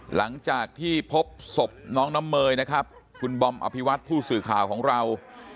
หลังจากที่พบศพน้องน้ำเมยนะครับคุณบอมอภิวัตผู้สื่อข่าวของเรา